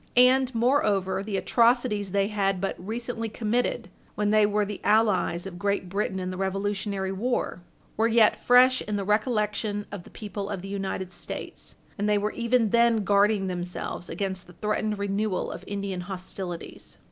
And, moreover, the atrocities they had but recently committed, when they were the allies of Great Britain in the Revolutionary war, were yet fresh in the recollection of the people of the United States, and they were even then guarding themselves against the threatened renewal of Indian hostilities.